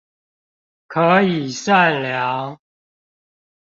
可以善良